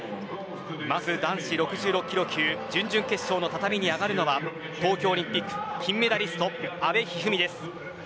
まず男子６６キロ級準々決勝の畳に上がるのは東京オリンピック金メダリスト阿部一二三です。